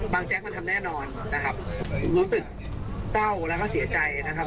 แจ๊กมันทำแน่นอนนะครับรู้สึกเศร้าแล้วก็เสียใจนะครับ